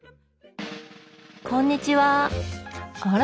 こんにちはあら？